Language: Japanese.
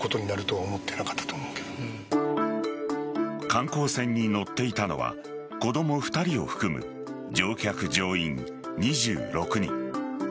観光船に乗っていたのは子供２人を含む乗客・乗員２６人。